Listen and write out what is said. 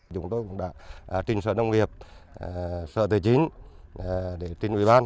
chúng tôi cũng đã trình sở nông nghiệp sở tài chính để trình ủy ban